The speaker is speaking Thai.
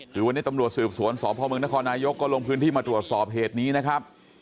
คือวันนี้ตำรวจสืบสวนสพเมืองนครนายกก็ลงพื้นที่มาตรวจสอบเหตุนี้นะครับ